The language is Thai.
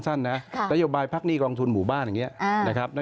สั้นนะนโยบายพักหนี้กองทุนหมู่บ้านอย่างนี้